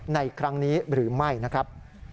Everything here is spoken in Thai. ในครั้งนี้หรือไม่นะครับ